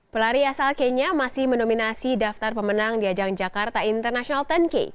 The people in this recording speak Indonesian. pelari asal kenya masih mendominasi daftar pemenang di ajang jakarta international sepuluh k